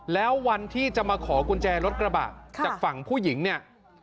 แล้ววันที่จะมาขอกุญแจรถกระบะจากฝั่งผู้หญิงเนี่ย